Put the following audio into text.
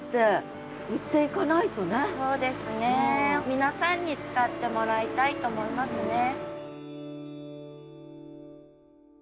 皆さんに使ってもらいたいと思いますね。